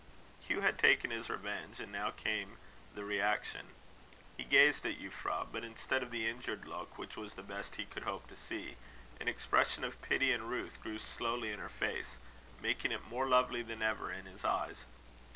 Hugh had taken his revenge, and now came the reaction. He gazed at Euphra; but instead of the injured look, which was the best he could hope to see, an expression of "pity and ruth" grew slowly in her face, making it more lovely than ever in his eyes.